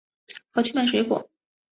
跑去买水果